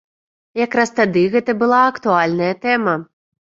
Якраз тады гэта была актуальная тэма.